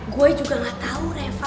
gue juga gak tahu reva